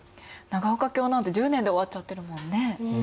長岡京なんて１０年で終わっちゃってるもんね。